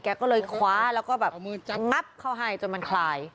แกก็เลยคว้าแล้วก็แบบงับเข้าให้จนมันคลาย